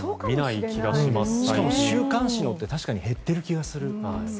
しかも週刊誌のって確かに減ってる気がする。